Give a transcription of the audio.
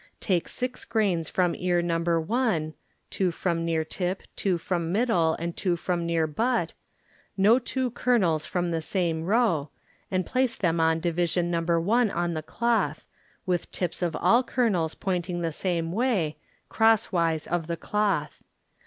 Take six grains from ear No. 1 (two from near lip, two from middle and two from near butt), no two kernels from same row, and plaCe Ihem on division No. 1 on the cloth, with tips of all kernels pointing the same way, crosswise of the cloth.